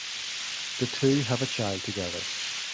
The two have a child together.